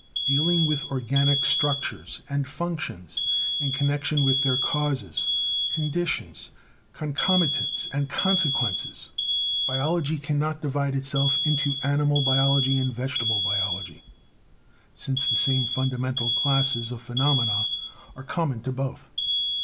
Dealing with organic structures and functions in connection with their causes, conditions, concomitants and consequences, Biology cannot divide itself into Animal Biology and Veg etable Biology; since the same fundamental classes of phenomena are common to both.